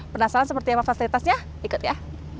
penasaran seperti apa fasilitasnya ikut ya